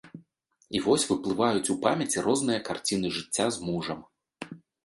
І вось выплываюць у памяці розныя карціны жыцця з мужам.